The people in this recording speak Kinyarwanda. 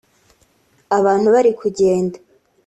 abantu bari kugenda